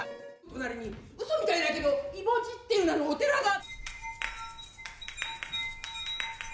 隣にうそみたいだけど「いぼ寺」っていう名のお寺が。